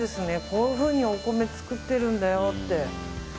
こういうふうにお米って作ってるんだよって。